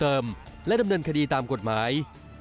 ไม่ต้องยกต่อลำดังพลุงนี่สิเถียงสิบตรงนี้